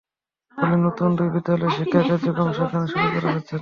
ফলে নতুন দুই বিদ্যালয়ের শিক্ষা কার্যক্রম সেখানে শুরু করা যাচ্ছে না।